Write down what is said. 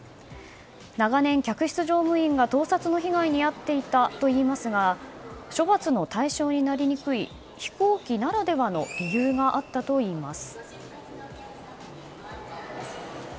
長年、客室乗務員が盗撮の被害に遭っていたといいますが処罰の対象になりにくい飛行機ならではの理由があったといいます。